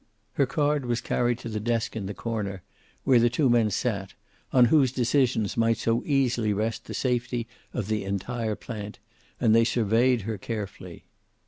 Her card was carried to the desk in the corner, where the two men sat on whose decisions might so easily rest the safety of the entire plant, and they surveyed her carefully.